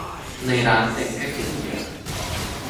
ในร้านเต็มแค่ครึ่งเดียว